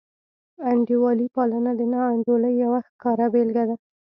انډیوالي پالنه د ناانډولۍ یوه ښکاره بېلګه ده.